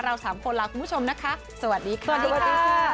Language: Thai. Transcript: สามคนลาคุณผู้ชมนะคะสวัสดีค่ะสวัสดีค่ะ